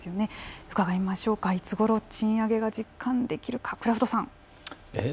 伺いましょうかいつごろ賃上げが実感できるかクラフトさん。